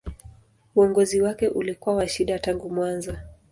Uongozi wake ulikuwa wa shida tangu mwanzo.